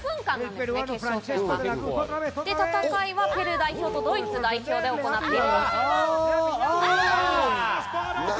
で、戦いはペルー代表とドイツ代表で行っています。